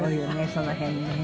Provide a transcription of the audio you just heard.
その辺ね。